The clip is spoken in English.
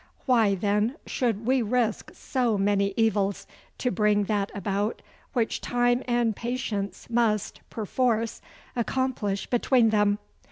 Why, then, should we risk so many evils to bring that about which time and patience must, perforce, accomplish between them?